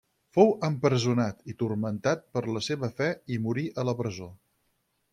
Fou empresonat i turmentat per la seva fe i morí a la presó.